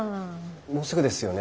もうすぐですよね